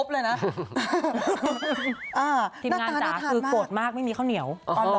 น่ากลายน่าทานมากทีมงานจ๋าสือโกรธมากไม่มีข้าวเหนียว